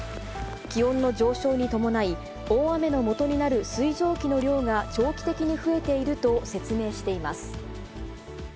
気温の上昇に伴い、大雨のもとになる水蒸気の量が長期的に増えていると説明しています。